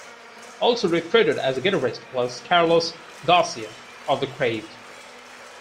Also recruited as a guitarist was Carlos Garcia of The Crave.